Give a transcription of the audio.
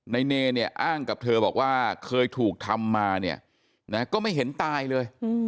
เนเนี่ยอ้างกับเธอบอกว่าเคยถูกทำมาเนี่ยนะก็ไม่เห็นตายเลย